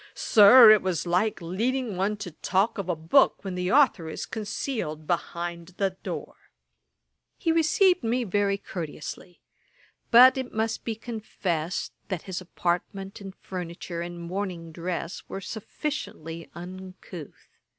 Sir, it was like leading one to talk of a book when the authour is concealed behind the door.' [Page 397: Christopher Smart's madness. Ætat 54.] He received me very courteously; but, it must be confessed, that his apartment, and furniture, and morning dress, were sufficiently uncouth.